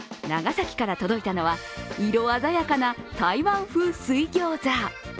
長崎から届いたのは色鮮やかな台湾風水餃子。